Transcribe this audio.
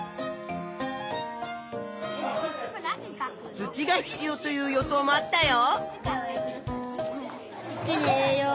土が必要という予想もあったよ。